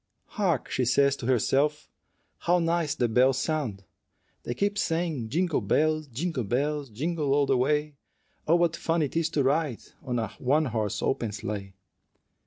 "Hark!" she says to herself, "how nice the bells sound! They keep saying, 'Jingle bells, jingle bells, Jingle all the way; Oh, what fun it is to ride In a one horse open sleigh!'